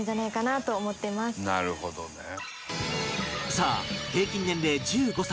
さあ平均年齢１５歳